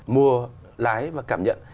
mua lái và cảm nhận